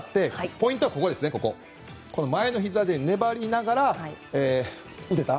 ポイントは前のひざで粘りながら打てた。